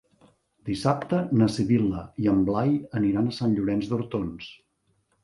Dissabte na Sibil·la i en Blai aniran a Sant Llorenç d'Hortons.